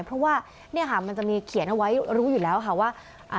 เพราะว่ามันจะมีเขียนไว้รู้อยู่แล้วค่ะว่า